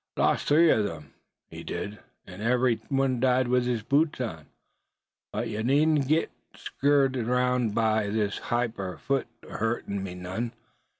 Lost three on 'em, he did, an' every one died with his boots on! But ye needn't git skeered 'bout this hyar foot ahurtin' me none.